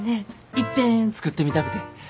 いっぺん作ってみたくて。